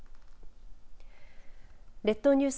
列島ニュース